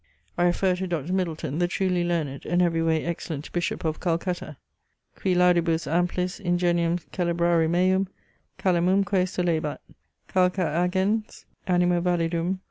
I refer to Dr. Middleton, the truly learned, and every way excellent Bishop of Calcutta: qui laudibus amplis Ingenium celebrare meum, calamumque solebat, Calcar agens animo validum.